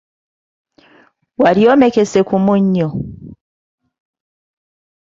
Wali omekese ku mannyo?